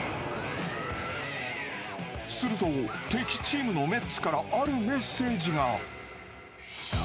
すると、敵チームのメッツからあるメッセージが。